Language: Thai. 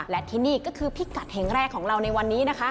และที่นี่ก็คือพิกัดแห่งแรกของเราในวันนี้นะคะ